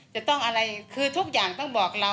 จะต้องอะไรคือทุกอย่างต้องบอกเรา